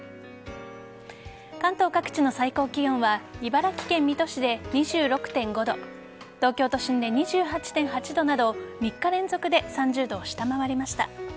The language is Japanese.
関東各地の最高気温は茨城県水戸市で２６．５度東京都心で２８．８度など３日連続で３０度を下回りました。